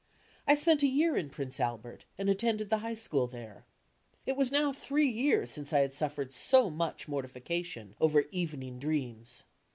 I spent a year in Prince Albert and attended the High School there. It was now three years since I had suffered so much mortification over "Evening Dreams."